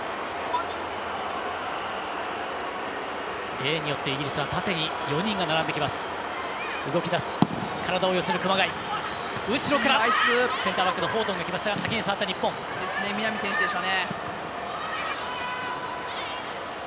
例によってイギリスは縦に４人が並んできた。